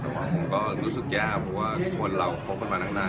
ผมก็รู้สึกแย้วนะว่าส่วนเราโพพกันมาตั้งหนัก